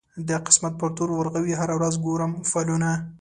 د قسمت پر تور اورغوي هره ورځ ګورم فالونه